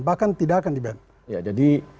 bahkan tidak akan di ban ya jadi